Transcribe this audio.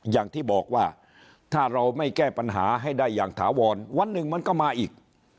อย่างที่บอกว่าถ้าเราไม่แก้ปัญหาให้ได้อย่างถาวรวันหนึ่งมันก็มาอีก